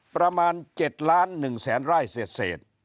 ประมาณ๗ล้าน๑แสนไร่เศษ